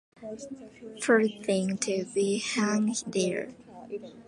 First thing to be hung there.